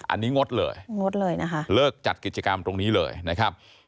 อันนี้งดเลยงดเลยนะคะเลิกจัดกิจกรรมตรงนี้เลยนะครับ